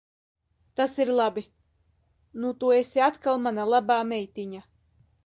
Tas ir labi. Nu tu esi atkal mana labā meitiņa.